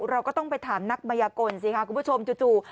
เราก็ต้องไปถามนักมายกลสิค่ะคุณผู้ชมจู่